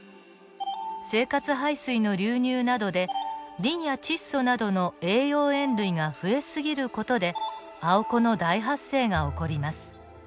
生活排水の流入などでリンや窒素などの栄養塩類が増え過ぎる事でアオコの大発生が起こります。